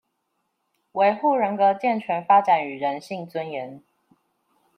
維護人格健全發展與人性尊嚴